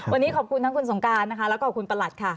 วันนี้ขอบคุณทั้งคุณสงการนะคะแล้วก็ขอบคุณประหลัดค่ะ